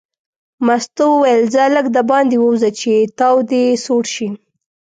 مستو وویل ځه لږ دباندې ووځه چې تاو دې سوړ شي.